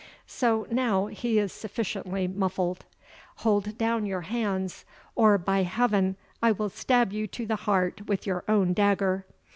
So, now he is sufficiently muffled; hold down your hands, or, by Heaven, I will stab you to the heart with your own dagger!